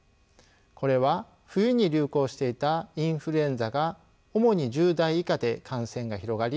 これは冬に流行していたインフルエンザが主に１０代以下で感染が広がり